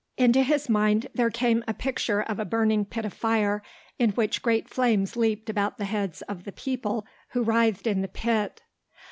Into his mind there came a picture of a burning pit of fire in which great flames leaped about the heads of the people who writhed in the pit.